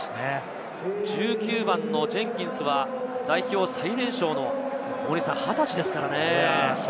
１９番のジェンキンスが代表最年少の２０歳ですからね。